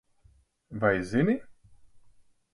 Vai zini?